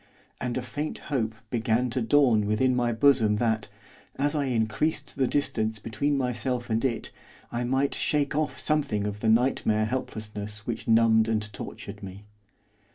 And a faint hope began to dawn within my bosom that, as I increased the distance between myself and it, I might shake off something of the nightmare helplessness which numbed and tortured me.